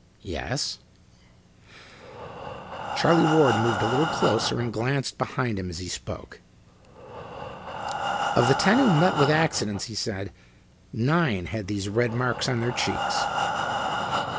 yes?" Charlie Ward moved a little closer and glanced behind him as he spoke. "Of the ten who met with accidents," he said, "nine had these red marks on their cheeks."